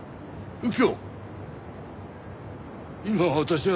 右京！